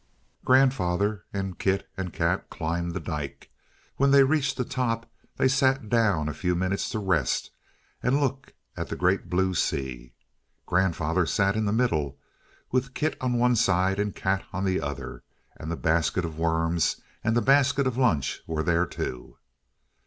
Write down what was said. Grandfather and Kit and Kat climbed the dyke. When they reached the top, they sat down a few minutes to rest and look at the great blue sea. Grandfather sat in the middle, with Kit on one side, and Kat on the other; and the basket of worms and the basket of lunch were there, too.